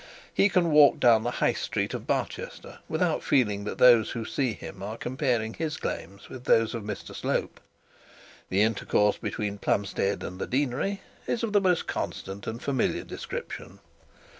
He can walk down High Street of Barchester without feeling that those who see him are comparing his claims with those of Mr Slope. The intercourse between Plumstead and the deanery is of the most constant and familiar description.